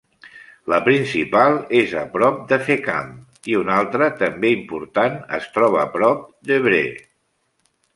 La principal és prop de Fécamp i una altra també important es troba prop d'Évreux.